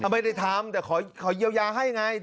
ไม่ได้ทำแต่ขอเยียวยาให้ไง